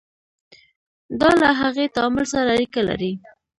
دا له هغې تعامل سره اړیکه لري.